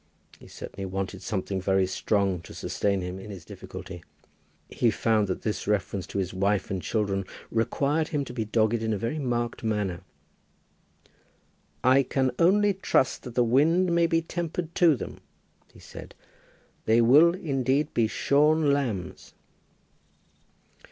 He certainly wanted something very strong to sustain him in his difficulty. He found that this reference to his wife and children required him to be dogged in a very marked manner. "I can only trust that the wind may be tempered to them," he said. "They will, indeed, be shorn lambs."